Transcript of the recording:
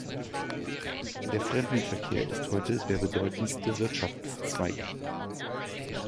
Der Fremdenverkehr ist heute der bedeutendste Wirtschaftszweig.